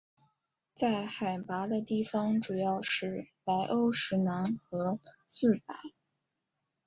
在海拔的地方主要是白欧石楠和刺柏。